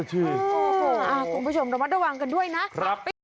คุณผู้ชมระมัดระวังกันด้วยนะ